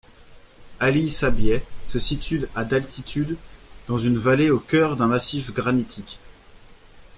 Ali Sabieh se situe à d'altitude, dans une vallée au cœur d'un massif granitique.